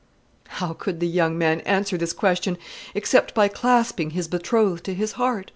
How could the young man answer this question except by clasping his betrothed to his heart?